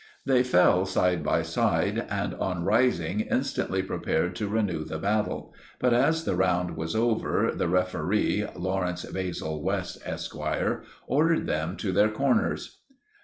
They fell side by side, and on rising instantly prepared to renew the battle; but as the round was over, the referee (Lawrence Basil West, Esquire) ordered them to their corners.